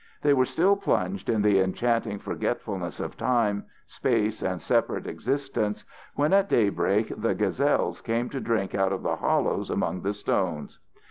They were still plunged in the enchanting forgetfulness of time, space and separate existence, when at daybreak the gazelles came to drink out of the hollows among the stones.